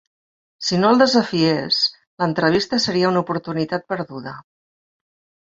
Si no el desafiés, l'entrevista seria una oportunitat perduda.